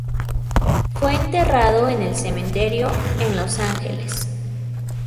Fue enterrado en el Cementerio, en Los Ángeles.